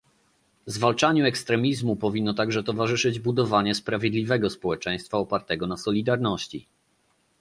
Zwalczaniu ekstremizmu powinno także towarzyszyć budowanie sprawiedliwego społeczeństwa opartego na solidarności